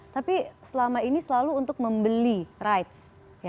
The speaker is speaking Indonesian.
tapi selama ini selalu untuk membeli rides